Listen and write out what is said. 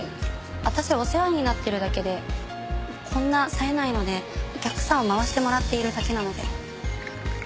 私はお世話になってるだけでこんな冴えないのでお客さんを回してもらっているだけなので。